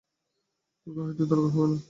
তোকে হয়তো দরকার হবে না।